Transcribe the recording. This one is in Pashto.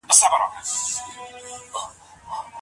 د نړیوال اعتبار دروازې.